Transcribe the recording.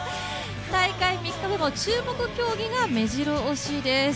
大会３日後も注目競技がめじろ押しです。